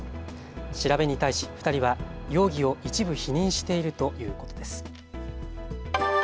調べに対し２人は容疑を一部否認しているということです。